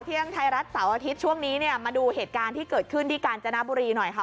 เที่ยงไทยรัฐเสาร์อาทิตย์ช่วงนี้เนี่ยมาดูเหตุการณ์ที่เกิดขึ้นที่กาญจนบุรีหน่อยค่ะ